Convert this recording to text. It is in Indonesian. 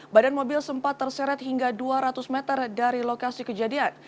badan mobil sempat terseret hingga dua ratus meter dari lokasi kejadian